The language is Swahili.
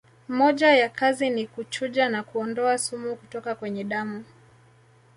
Moja ya kazi ni kuchuja na kuondoa sumu kutoka kwenye damu